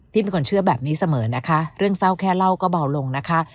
เป็นคนเชื่อแบบนี้เสมอนะคะเรื่องเศร้าแค่เล่าก็เบาลงนะคะ